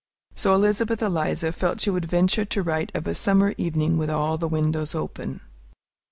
So Elizabeth Eliza felt she would venture to write of a summer evening with all the windows open.